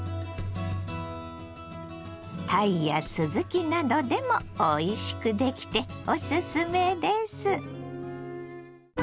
たいやすずきなどでもおいしくできておすすめです。